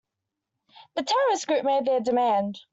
The terrorist group made their demand.